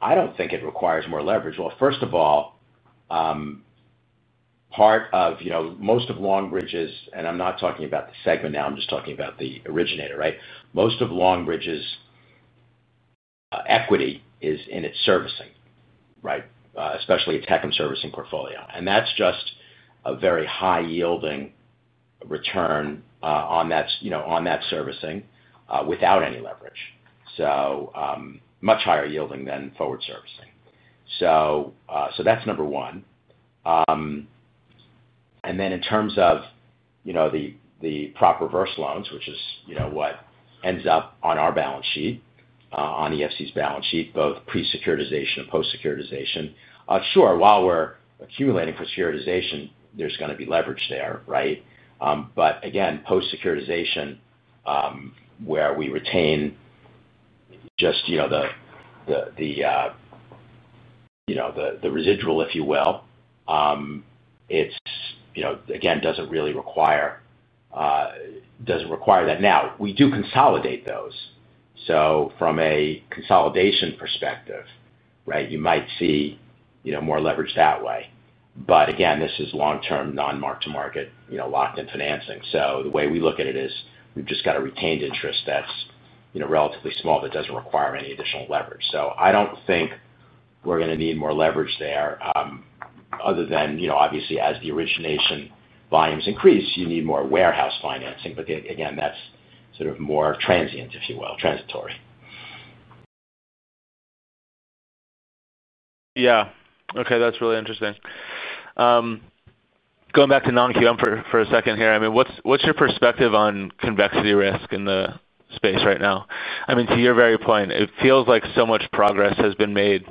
I do not think it requires more leverage. First of all, part of most of Longbridge's—and I am not talking about the segment now. I am just talking about the originator, right? Most of Longbridge's equity is in its servicing, right, especially its HECM servicing portfolio. That is just a very high-yielding return on that servicing without any leverage. Much higher yielding than forward servicing. That is number one. In terms of the prop reverse loans, which is what ends up on our balance sheet, on EFC's balance sheet, both pre-securitization and post-securitization, sure, while we are accumulating for securitization, there is going to be leverage there, right? Again, post-securitization, where we retain just the residual, if you will, it does not really require that now. We do consolidate those, so from a consolidation perspective, right, you might see more leverage that way. Again, this is long-term non-mark-to-market locked-in financing. The way we look at it is we've just got a retained interest that's relatively small that doesn't require any additional leverage. I don't think we're going to need more leverage there. Obviously, as the origination volumes increase, you need more warehouse financing. Again, that's sort of more transient, if you will, transitory. Yeah. Okay. That's really interesting. Going back to Non-QM for a second here, I mean, what's your perspective on convexity risk in the space right now? I mean, to your very point, it feels like so much progress has been made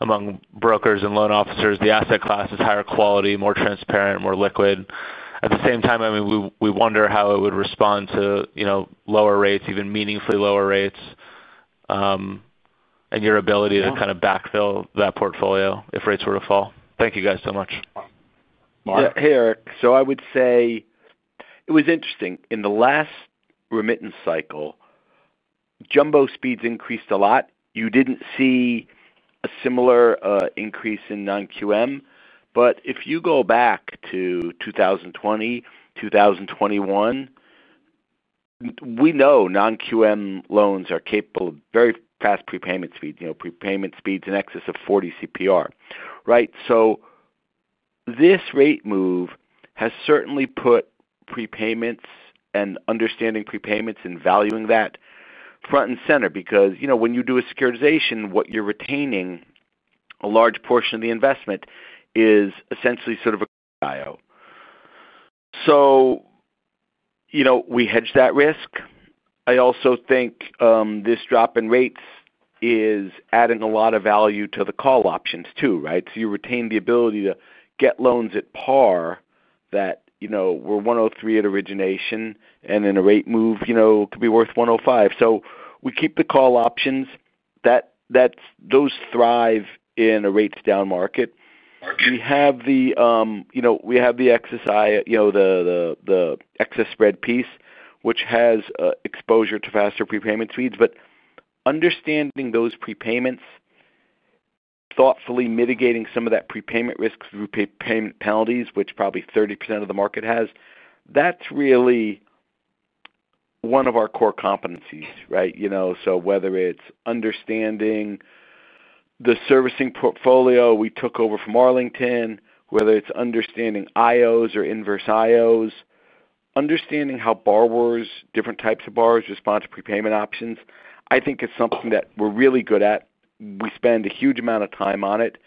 among brokers and loan officers. The asset class is higher quality, more transparent, more liquid. At the same time, I mean, we wonder how it would respond to lower rates, even meaningfully lower rates. And your ability to kind of backfill that portfolio if rates were to fall. Thank you guys so much. Marc? Yeah. Hey, Eric. I would say it was interesting. In the last remittance cycle, jumbo speeds increased a lot. You did not see a similar increase in Non-QM. If you go back to 2020, 2021, we know Non-QM loans are capable of very fast prepayment speeds, prepayment speeds in excess of 40 CPR, right? This rate move has certainly put prepayments and understanding prepayments and valuing that front and center because when you do a securitization, what you are retaining, a large portion of the investment is essentially sort of a crypto IO. We hedge that risk. I also think this drop in rates is adding a lot of value to the call options too, right? You retain the ability to get loans at par that were 103 at origination and in a rate move could be worth 105. We keep the call options. Those thrive in a rates-down market. We have the XSI, the excess spread piece, which has exposure to faster prepayment speeds. But understanding those prepayments, thoughtfully mitigating some of that prepayment risk through prepayment penalties, which probably 30% of the market has, that's really one of our core competencies, right? Whether it's understanding the servicing portfolio we took over from Arlington, whether it's understanding IOs or inverse IOs, understanding how borrowers, different types of borrowers, respond to prepayment options, I think it's something that we're really good at. We spend a huge amount of time on it.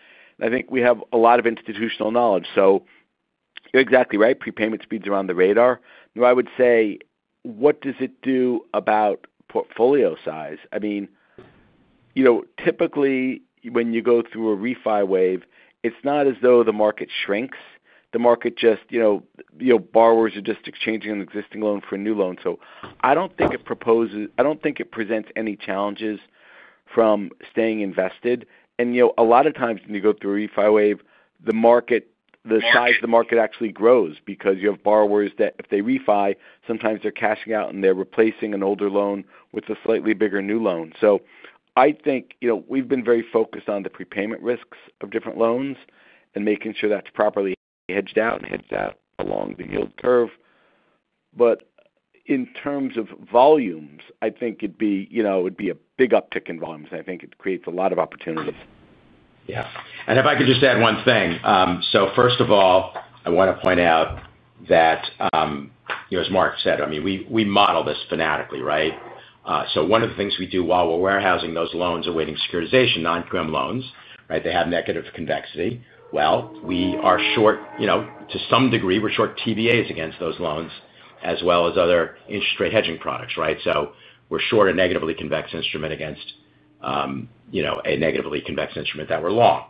I think we have a lot of institutional knowledge. You're exactly right. Prepayment speeds are on the radar. Now, I would say, what does it do about portfolio size? I mean, typically, when you go through a refi wave, it's not as though the market shrinks. The market just. Borrowers are just exchanging an existing loan for a new loan. I don't think it presents any challenges from staying invested. A lot of times, when you go through a refi wave, the size of the market actually grows because you have borrowers that, if they refi, sometimes they're cashing out and they're replacing an older loan with a slightly bigger new loan. I think we've been very focused on the prepayment risks of different loans and making sure that's properly hedged out and hedged out along the yield curve. In terms of volumes, I think it'd be a big uptick in volumes. I think it creates a lot of opportunities. Yeah. If I could just add one thing. First of all, I want to point out that, as Marc said, I mean, we model this fanatically, right? One of the things we do while we're warehousing those loans awaiting securitization, Non-QM loans, right? They have negative convexity. We are short. To some degree, we're short TBAs against those loans as well as other interest rate hedging products, right? We're short a negatively convex instrument against a negatively convex instrument that we're long.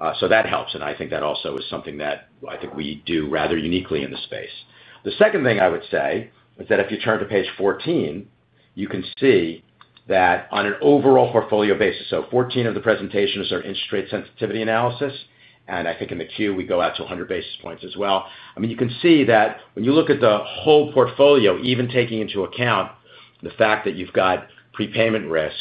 That helps. I think that also is something that I think we do rather uniquely in the space. The second thing I would say is that if you turn to page 14, you can see that on an overall portfolio basis. Page 14 of the presentation is our interest rate sensitivity analysis. I think in the Q, we go out to 100 basis points as well. I mean, you can see that when you look at the whole portfolio, even taking into account the fact that you've got prepayment risk.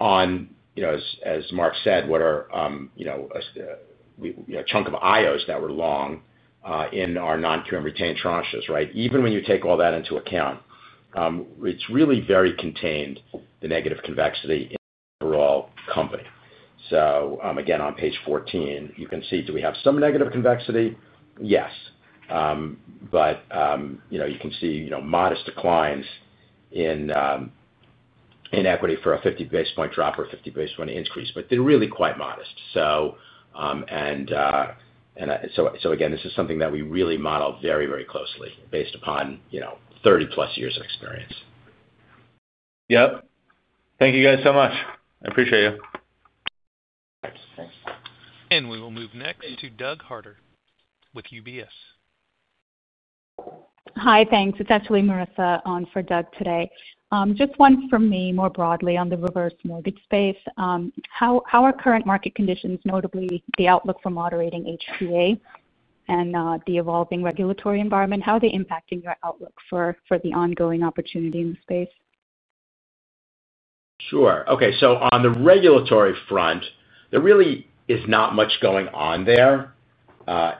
As Marc said, what are a chunk of IOs that we're long in our Non-QM retained tranches, right? Even when you take all that into account, it's really very contained, the negative convexity in the overall company. Again, on page 14, you can see, do we have some negative convexity? Yes. You can see modest declines in equity for a 50 basis point drop or a 50 basis point increase, but they're really quite modest. This is something that we really model very, very closely based upon 30-plus years of experience. Yep. Thank you guys so much. I appreciate you. Thanks. We will move next to Doug Harter with UBS. Hi, thanks. It's actually Marissa on for Doug today. Just one from me more broadly on the reverse mortgage space. How are current market conditions, notably the outlook for moderating HPA and the evolving regulatory environment, how are they impacting your outlook for the ongoing opportunity in the space? Sure. Okay. On the regulatory front, there really is not much going on there.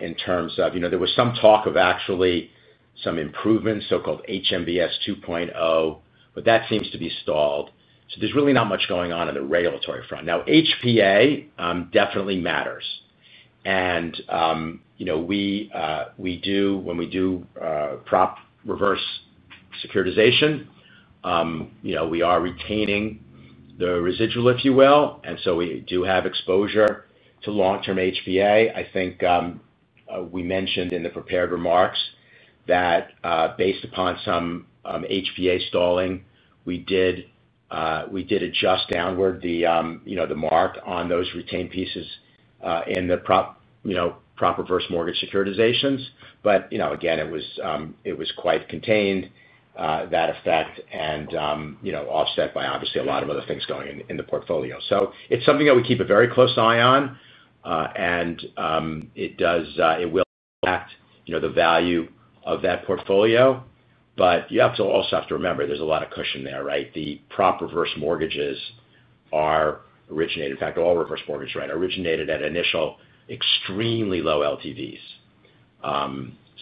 In terms of, there was some talk of actually some improvements, so-called HMBS 2.0, but that seems to be stalled. There is really not much going on on the regulatory front. Now, HPA definitely matters. When we do prop reverse securitization, we are retaining the residual, if you will, and we do have exposure to long-term HPA. I think we mentioned in the prepared remarks that based upon some HPA stalling, we did adjust downward the mark on those retained pieces in the prop reverse mortgage securitizations. Again, it was quite contained to that effect and offset by, obviously, a lot of other things going in the portfolio. It is something that we keep a very close eye on, and it will affect the value of that portfolio. You also have to remember there's a lot of cushion there, right? The prop reverse mortgages are originated, in fact, all reverse mortgages, right, originated at initial extremely low LTVs.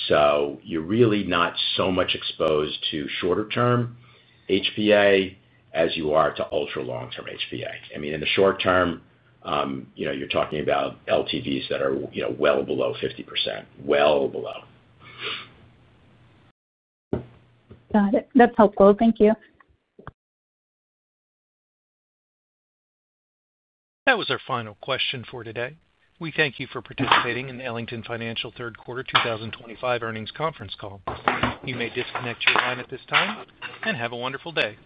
So you're really not so much exposed to shorter-term HPA as you are to ultra-long-term HPA. I mean, in the short term, you're talking about LTVs that are well below 50%, well below. Got it. That's helpful. Thank you. That was our final question for today. We thank you for participating in the Ellington Financial third quarter 2025 earnings conference Call. You may disconnect your line at this time and have a wonderful day.